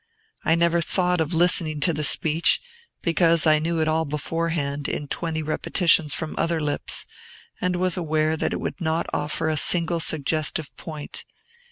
I never thought of listening to the speech, because I knew it all beforehand in twenty repetitions from other lips, and was aware that it would not offer a single suggestive point.